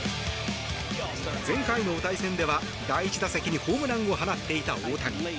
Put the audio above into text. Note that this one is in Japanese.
前回の対戦では第１打席にホームランを放っていた大谷。